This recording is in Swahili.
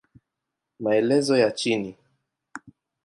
Maelezo ya chini